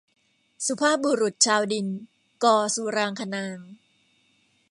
สุภาพบุรุษชาวดิน - ก สุรางคนางค์